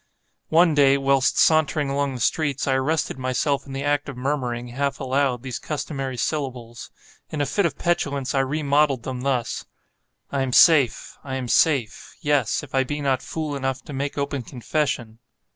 One day, whilst sauntering along the streets, I arrested myself in the act of murmuring, half aloud, these customary syllables. In a fit of petulance, I remodelled them thus: "I am safe—I am safe—yes—if I be not fool enough to make open confession!"